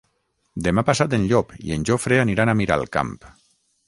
Demà passat en Llop i en Jofre aniran a Miralcamp.